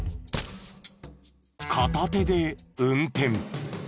片手で運転。